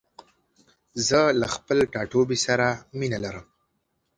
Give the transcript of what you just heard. زه له خپل ټاټوبي سره مينه لرم.